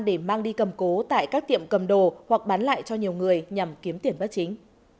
để mang đi cầm cố tại các tiệm cầm đồ hoặc bán lại cho nhiều người nhằm kiếm tiền bất chính